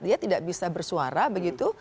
dia tidak bisa bersuara begitu